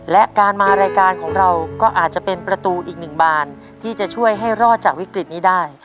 และการมารายการของเราก็อาจจะเป็นประตูอีกหนึ่งบานที่จะช่วยให้รอดจากวิกฤตนี้ได้